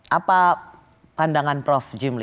apa pandangan prof jimli